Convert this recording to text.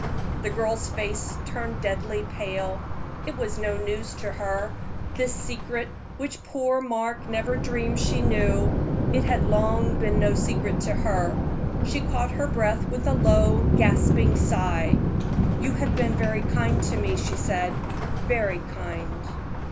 The girl's face turned deadly pale. It was no news to her this secret which poor Mark never dreamed she knew; it had long been no secret to her. She caught her breath with a low, gasping sigh. "You have been very kind to me," she said "very kind."